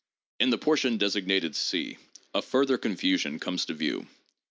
In the portion designated (c) a further confusion comes to view.